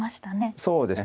そうですね